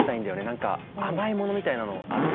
何か甘いものみたいなのある？